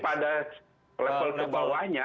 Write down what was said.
pada level kebawahnya